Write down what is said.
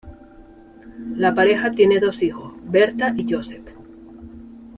La pareja tiene dos hijos: Berta y Josep.